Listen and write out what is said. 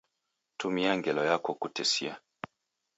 Tumia ngelo yako kutesia.